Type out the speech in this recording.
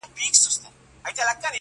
• په غوجل کي چي تړلی نیلی آس وو -